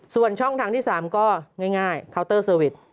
ส่วนช่องทางที่๓ก็ง่ายเคาน์เตอร์เซอร์วิส